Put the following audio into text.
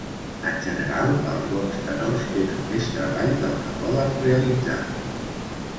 En general, els bons tenors tenen més treball del que poden realitzar.